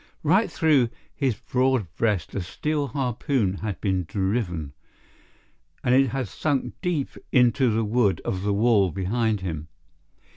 Right through his broad breast a steel harpoon had been driven, and it had sunk deep into the wood of the wall behind him.